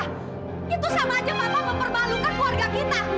itu sama aja karena memperbalukan keluarga kita